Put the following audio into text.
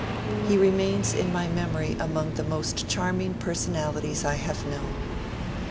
He remains in my memory among the most charming personalities I have known.